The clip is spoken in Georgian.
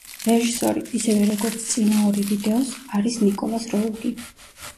რეჟისორი, ისევე, როგორც წინა ორი ვიდეოს, არის ნიკოლას როუგი.